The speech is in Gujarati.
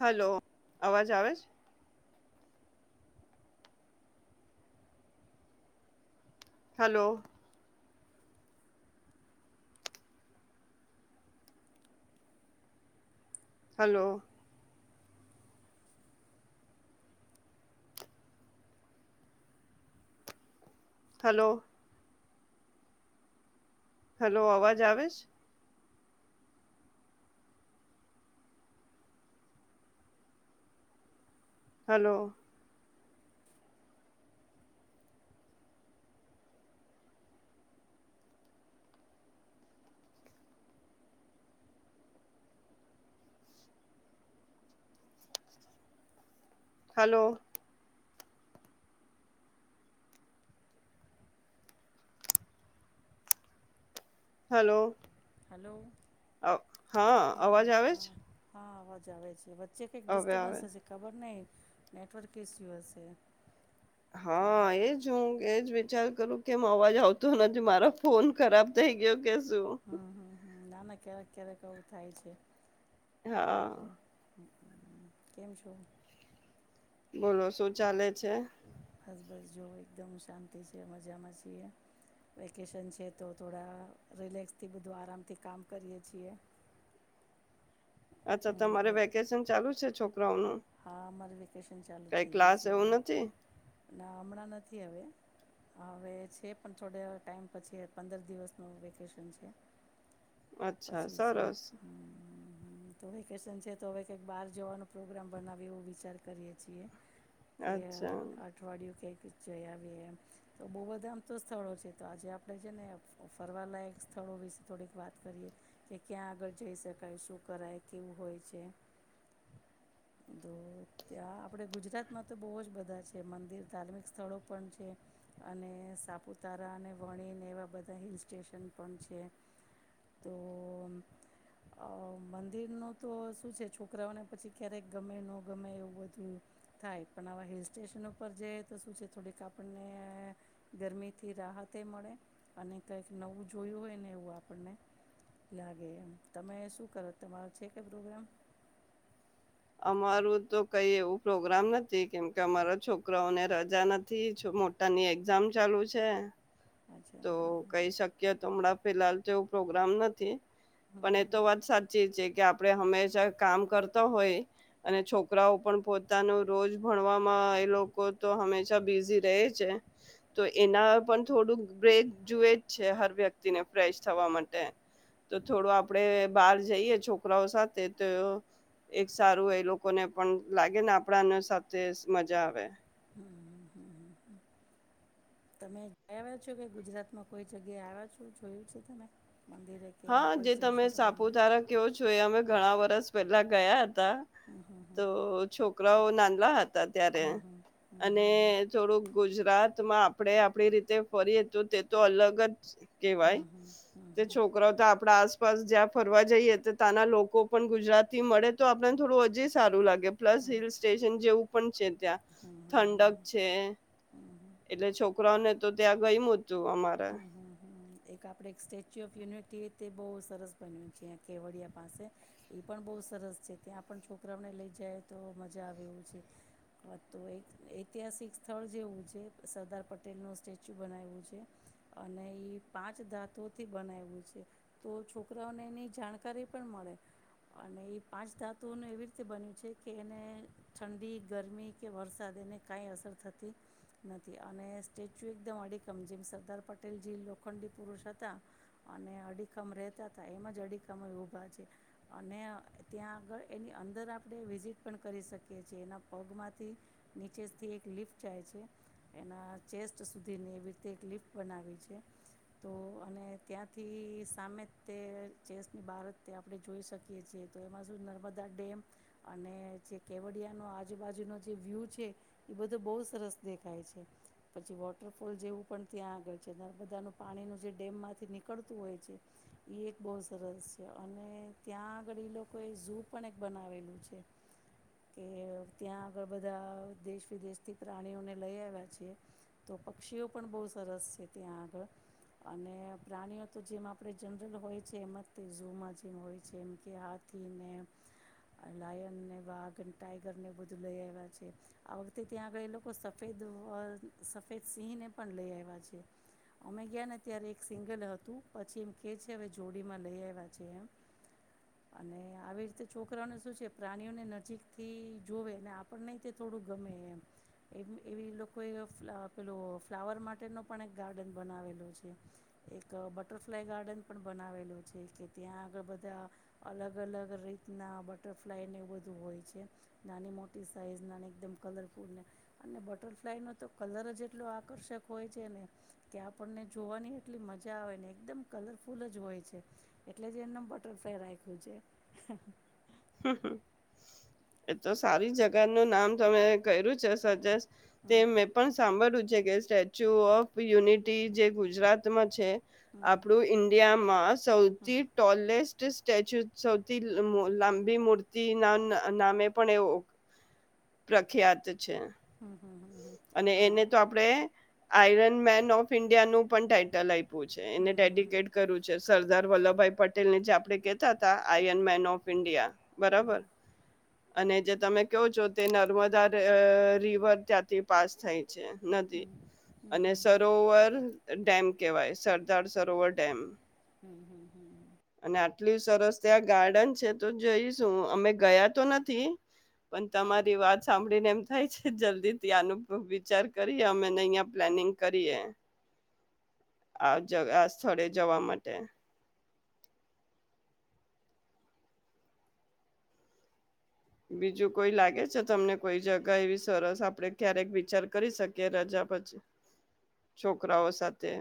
હલો અવાજ આવે છે. હલો. હલો. હલો. હેલો અવાજ આવે છે હલો. હલો. હલો. હલો. હા અવાજ આવે છે હા અવાજ આવે છે. જે કંઈ હવે આવે ડિસ્ટર્બન્સ હ છે ખબર નહી. નેટવર્ક એસ્યુ હશે. તો હા એજ હું એજ વી ચાર કરું કેમ અવાજ આવતો નથી મારા ફોન ખરાબ થઈ ગયો કે સ હમ્મ હમ્મ હ. નાના ક્યારેક ક્યારેક આવું થાય છે. હા. એટલે કેમ છો? બોલો શું ચાલે. છે. બસ બસ જો એકદમ શાંતિ છે મજામાં છીએ વેકેશન છે તો થોડા રિલેક્સથી બધું આરામથી કામ કરીએ છીએ. અચ્છા તમારે વેકેશન ચાલુ છે છોક હા અમાર વેકેશન ચાલુ કઈ થઈ ગયું ક્લાસ છે એવું હવે નથી ના હમણાં નથ થી હવે હા છે પણ થોડ ટાઈમ પછી પંદર દિવસનું વેકેશન છે. અચ્છા પછી છે સરસ હમ્મ હ તો વેકેશન છે તો હવે કઈક બાર જવાનો પ્રોગ્રામ બનાવ્યો વિચાર કરીએ છીએ. કે અચ્છા અઠવાડિયું કે જઈ આવીએ એમ તો બહુ બધા આમ તો સ્થળો છે તો આજે આપણે છે ને ફરવાલાયક સ્થળો વિશે થોડીક વાત કરીએ કે ક્યાં આગળ જઈ શકાય શું કરાય કેવું હોય છે. તો ત્યાં આપડે ગુજરાતમાં તો બહુ જ બધા છે મંદિર ધાર્મિક સ્થળો પણ છે. અને સાપુતારા અને વણીને એવા બધા હિલ સ્ટેશન પણ છે. તો મંદિર ન તો શું છે છોકરાઓને પછી ક્યારેક ગમે ન ગમે એવું બધું થાય પણ આવા હિલ સ્ટેશન પર જઈ તો શું છે થોડીક આપણને ગરમીથી રાહતે મળે અને કંઈક નવું જોયું હોય ને એવું આપણને લાગે એમ તમે શું કરો તમારો છે કે પ્રોગ્રામ. અમારું તો કઈ એવું પ્રોગ્રામ નથી કેમકે અમારા છોકરાઓને રજા નથી મોટાની એક્ઝામ ચાલુ છે. અચ્છા તો કઈ શક્ય તો હમણાં ફિલાલ તો એવું પ્રોગ્રામ નથી. હમ પણ એ તો હમ વાત સાચી છે. કે આપણે હંમેશા કામ કરતા હોય અને છોકરાઓ પણ પોતાનું રોજ ભણવામાં એ લોકો તો હંમેશા બિઝી રહે છે તો એના પણ થોડુંક બ્રેક જુવે જ છે હર વ્યક્તિને ફ્રેશ થવા માટે તો થોડું આપડે બહાર જઈએ છોકરાઓ સાથે તો એક સારું એ લોકોને પણ લાગે ને આપણાને સાથે મજા આવે. હમ્મ તમે આવ્યા છો કે ગુજરાતમાં કોઈ જગ્યાએ આવ્યા છો જોયું છે તમે. મંદિરે કે એમ હા કોઈ જે જગ્યા તમે ફરવામાં સાપુતારા કેવો છો એ અમે ઘણા વરસ પહેલા ગયા. તા હમ હમ તો છોક બહુ નાનલા હ તા ત્યારે હમ હમ હમ હમ હમ હમ અને થોડુંક ગુજરાત તો માં આપણે આપણી રીતે ફરીએ તો તે તો અલગ જ હમ્મ, હમ્મ હમ્મ, હમ્મ. કરો તો આપણા આસપાસ જ્યાં ફરવા જઈએ તો ત્યાંના લોકો પણ ગુજરાતથી મળે તો આપણને થોડું હજી સારું લાગ કે હમ હમ હમ હમ પ્લસ હિલ હમ સ્ટેશન જેવું પણ છે. ત્યાં ઠંડક છે હમ એટલે છોકરાને તો ત્યાં ગઈ મુદ હમ્મ હમ્મ એક આપડે એક સ્ટેચ્યુ ઓફ યુનિટી તેવી તે બહુ સરસ બન્યું છે કેવડિયા પાસે એ પણ બહુ સરસ છે ત્યાં પણ છોકરાઓને લઈ જાય તો મજા આવે એ છે. તો એક ઐતિહાસિક સ્થળ જેવું છે સરદાર પટેલ નું સ્ટેચ્યુ બનાવ્યું છે. અને એ પાંચ ધાતુઓથી બનાવ્યું છે. તો છોકરાઓને એની જાણકારી પણ મળે અને એ પાંચ ધાતુઓનું એવી રીતે બન્યું છે કે એને ઠંડી ગરમી કે વરસાદ એને કાંઈ અસર થતી નથી અને સ્ટેચ્યુ એકદમ અડી કમઝમ સરદાર પટેલજી લોખંડી પુરુષ હતા અને અડીખમ રહેતા હતા એમ જ અઢખમ ઊભા છે. અને ત્યાં આગળ એની અંદર આપણે વિઝિટ પણ કરી શકીએ છએ એના પગમાંથી નીચેથી એક લિફ્ટ જાય છે, એના ચેસ્ટ સુધીની એવી રીતે એક લિફ્ટ બનાવી છે. તો અને ત્યાંથી સામે તે ચેસની બહારત તે આપણે જોઈ શકીએ છીએ તો એમાં શું નર્મદા ડેમ અને જે કેવડિયાનો આજુબાજુનો જે વ્યૂ છે એ બધો બહુ સરસ દેખાય છે. પછી વોટરફોલ જેવું પણ ત્યાં આગળ છે. નર્મદાનું પાણીનું જે ડેમમાંથી નીકળતું હોય છે એ એક બહુ સરસ છે. અને ત્યાં આગળ એ લોકોએ ઝૂ પણ એક બનાવેલું છે. કે ત્યાં આગળ બધા દેશ વિદેશથી પ્રાણીઓને લઈ આવ્યા છે, તો પક્ષીઓ પણ બહુ સ સરસ છે ત્યાં આગળ અને પ્રાણીઓ તો જેમ આપણે જનરલ હોય છે એમ જ તે ઝુમાં જેમ હોય છે. એમ કે હાથીને લાયનને વાઘ ટાઈગરને બધું લઈ આવ્યા છે. આ વખતે ત્યાં આગળ એ લોકો સફેદ અહ સફેદ સિંહને પણ લઈ આઈવ છે. અમે ગયા ને ત્યારે એક સિંગલ હતું, પછી એમ કે છે હવે જોડીમાં લઈ આવ્યા છે એમ અને આવી રીતે છોકરાઓને શું છે પ્રાણીઓને નજીકથી જોવે અને આપણનેહી થોડું ગમે એમ એવી લોકોએ પેલો ફ્લાવર માટે. માટે ના પણ એક ગાર્ડન બનાવેલું છે. એક બટરફ્લાય ગાર્ડન પણ બનાવેલું છે કે ત્યાં આગળ બધા અલગ અલગ રીતના બટરફ્લાયને એવું બધું હોય છે, નાની મોટી સાઈઝ ના એકદમ કલરફુલને અને બટરફ્લાય નો તો કલરજ એટલો આકર્ષક હોય છે ને કે આપણને જોવાની એટલી મજા આવે ને એકદમ કલરફુલ જ હોય છે, એટલે જે એને બટરફ્લાાય રાખ્યું છે. એ તો સારી જગા નું નામ તમે કર્યું છે સજેસ્ટ તે હમ મેં પણ સાંભળું [unintelligible] કે સ્ટેચ્યુ ઓફ યુનિટી જે ગુજરાતમાં છે. હમ આપડું ઇન્ડિયા. માસ સૌથી ટોલેસ સ્ટેચ્યુ સૌથી [unintelligible] લાંબી. બી મૂર્તિ ના નામે પણ એવો પ્રખ્યાત છે. હમ હમ હમ હમ હમ અને હા એને તો આપણે આયરન મેન ઓફ ઇન્ડિયાનું પણ ટાઇટલ આવ્ય પિયુ છે, એને ડેડિકેટ કરવું છે. [unintelligible] સરદાર વલ્લભભાઈ પટેલ ને જે આપડે કેતા હતા આયન મેન ઓફ ઇન્ડિયા. હમ બરાબર. અને જે તમે કહો છો તે નર્મદા અહ રિવર ત્યાંથી પાસ થઈ હમ નદી હમ હમ અને હમ સરોવર ડેમ કેવાય સરદાર સરોવર ડેમ. [inaudible] એટલું સરસ ત્યાં ગાર્ડન છે તો જોઈશું. અમે ગયા તો નથી, પણ તમારી વાત સાંભળીને એમ થાય છે, જલ્દી થી આનું વિચાર કરીએ અમે અહિયાં પ્લાનિંગ કરીએ. આજ આ સ્થળે જવા માટે. બીજું કોઈ લાગે છે તમને કોઈ જગા એવી સરસ આપડે ક્યારેક વિચાર કરી શકીએ રજા પછી, છોકરાઓ સાથે?